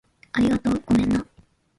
ありがとう。ごめんな